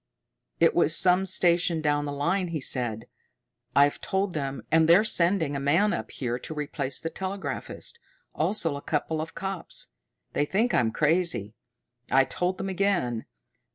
"It was some station down the line," he said. "I've told them, and they're sending a man up here to replace the telegraphist, also a couple of cops. They think I'm crazy. I told them again.